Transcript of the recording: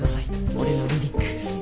俺のリリック。